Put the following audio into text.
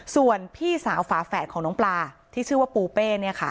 ส่วนพี่สาวฝาแฝดของน้องปลาที่ชื่อว่าปูเป้